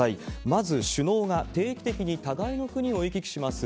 まず、首脳が定期的に互いの国を行き来します